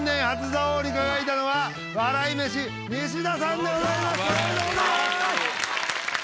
初座王に輝いたのは笑い飯西田さんでございます！